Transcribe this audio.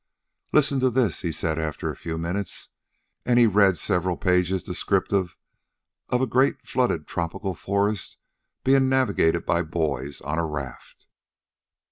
"Listen to this," he said after a few minutes, and he read several pages descriptive of a great flooded tropical forest being navigated by boys on a raft.